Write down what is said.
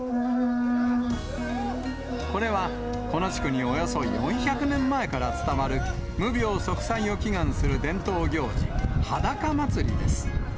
これは、この地区におよそ４００年前から伝わる、無病息災を祈願する伝統行事、裸まつりです。